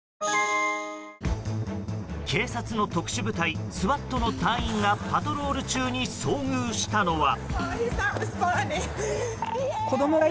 警察の特殊部隊ＳＷＡＴの隊員がパトロール中に遭遇したのは。